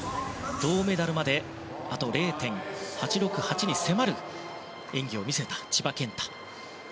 銅メダルまであと０．８６８に迫る演技を見せた千葉健太。